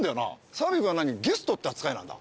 澤部君はゲストって扱いなんだ。